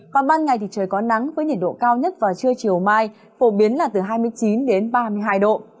còn ban ngày thì trời có nắng với nhiệt độ cao nhất vào trưa chiều mai phổ biến là từ hai mươi chín đến ba mươi hai độ